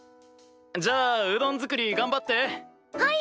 じゃあうどん作りがんばって。